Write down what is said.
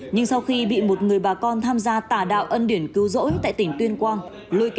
nhưng sau khi bị một người bà con tham gia tà đạo ân điển cứu rỗi tại tỉnh tuyên quang